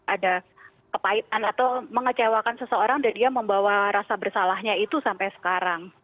ada kepahitan atau mengecewakan seseorang dan dia membawa rasa bersalahnya itu sampai sekarang